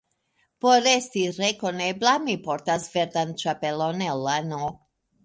Por esti rekonebla, mi portas verdan ĉapelon el lano.